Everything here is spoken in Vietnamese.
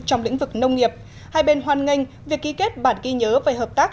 trong lĩnh vực nông nghiệp hai bên hoàn nganh việc ký kết bản ghi nhớ về hợp tác